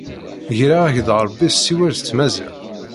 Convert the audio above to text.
Greɣ-ak-d rebbi ssiwel s tmaziɣt